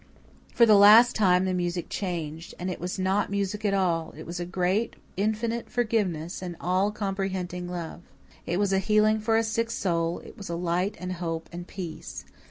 For the last time the music changed. And now it was not music at all it was a great, infinite forgiveness, an all comprehending love. It was healing for a sick soul; it was light and hope and peace.